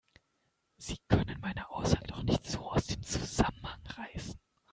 Sie können meine Aussage doch nicht so aus dem Zusammenhang reißen!